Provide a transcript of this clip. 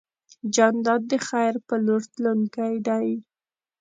جانداد د خیر په لور تلونکی دی.